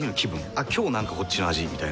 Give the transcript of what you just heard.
「あっ今日なんかこっちの味」みたいな。